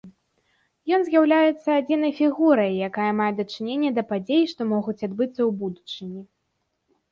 Ён з'яўляецца адзінай фігурай, якая мае дачыненне да падзей, што могуць адбыцца ў будучыні.